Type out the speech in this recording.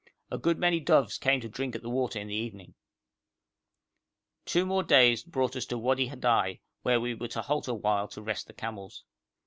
A good many doves came to drink at the water in the evening. Two days more brought us to Wadi Hadai, where we were to halt awhile to rest the camels.